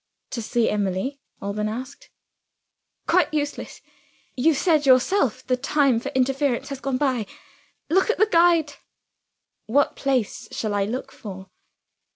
"To see Emily?" Alban asked. "Quite useless! You have said it yourself the time for interference has gone by. Look at the guide." "What place shall I look for?"